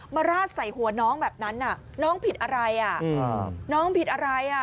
มาราดใส่หัวน้องแบบนั้นอ่ะน้องผิดอะไรอ่ะ